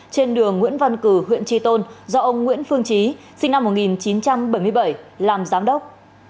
trên đường nguyễn văn cử huyện tri tôn do ông nguyễn phương trí sinh năm một nghìn chín trăm bảy mươi bảy làm giám đốc